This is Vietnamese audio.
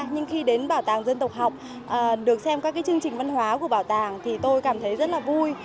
nhưng khi đến bảo tàng dân tộc học được xem các cái chương trình văn hóa của bảo tàng thì tôi cảm thấy rất là vui